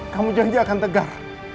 kamu janji akan tegar